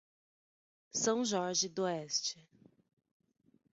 São Jorge d'Oeste